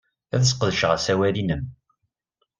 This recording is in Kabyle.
Ad sqedceɣ asawal-nnem.